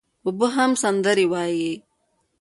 اوبه هم سندري وايي.